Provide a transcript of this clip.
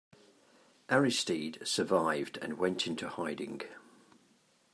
Aristide survived and went into hiding.